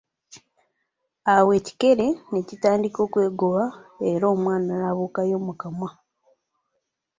Awo ekikere ne kitandika okwegoga era omwana n'abuuka yo mu kamwa.